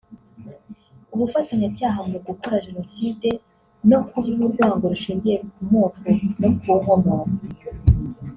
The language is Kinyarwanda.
ubufatanyacyaha mu gukora Jenoside no kubiba urwango rushingiye ku moko no ku nkomoko